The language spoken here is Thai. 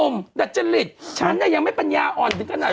โอ้มดาจริตฉันน่ะยังไม่ปัญญาอ่อนถึงขนาด